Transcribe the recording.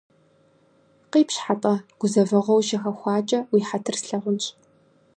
- Къипщхьэ-тӏэ, гузэвэгъуэ ущыхэхуакӏэ уи хьэтыр слъагъунщ.